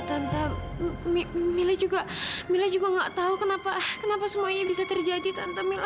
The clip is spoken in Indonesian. tante mila juga nggak tahu kenapa semuanya bisa terjadi tante mila